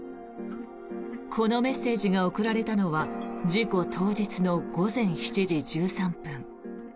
このメッセージが送られたのは事故当日の午前７時１３分。